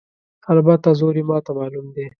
البته زور یې ماته معلوم دی.